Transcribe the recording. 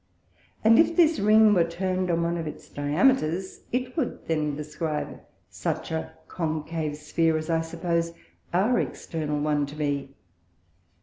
And if this Ring were turn'd on one of its Diameters, it would then describe such a Concave Sphere as I suppose our External one to be.